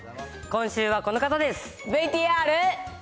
今週はこの方です。